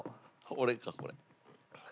俺かこれ。